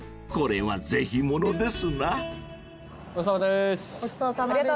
［これはぜひものですな］